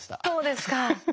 そうですか。